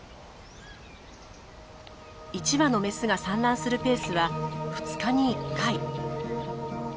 １羽のメスが産卵するペースは２日に１回。